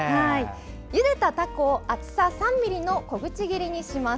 ゆでたタコを厚さ３ｍｍの小口切りにします。